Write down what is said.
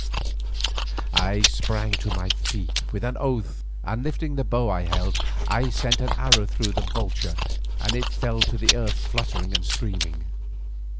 I sprang to my feet with an oath, and lifting the bow I held I sent an arrow through the vulture and it fell to the earth fluttering and screaming.